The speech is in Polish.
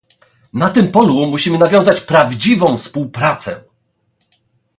Na tym polu musimy nawiązać prawdziwą współpracę